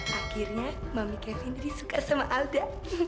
akhirnya mami kevin disuka sama alda